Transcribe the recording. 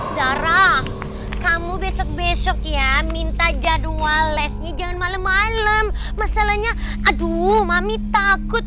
zara kamu besok besok ya minta jadwal lesnya jangan malem malem masalahnya aduh mami takut